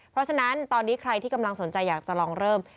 เพราะฉะนั้นตอนนี้ใครที่กำลังสนใจอยากจะลองเริ่ม